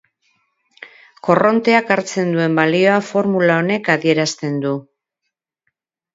Korronteak hartzen duen balioa formula honek adierazten du.